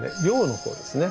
「謡」の方ですね